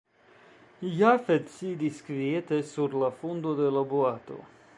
Jafet sidis kviete sur la fundo de la boato.